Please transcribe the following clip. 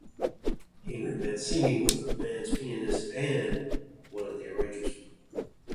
Henry Mancini was the band's pianist and one of the arrangers.